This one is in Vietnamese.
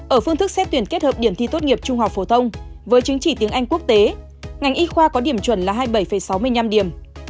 ở phương thức xét tuyển kết hợp điểm thi tốt nghiệp trung học phổ thông với chứng chỉ tiếng anh quốc tế ngành y khoa có điểm chuẩn là hai mươi bảy sáu mươi năm điểm